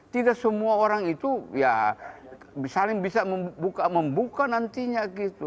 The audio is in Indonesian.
tidak semua orang itu ya saling bisa membuka nantinya gitu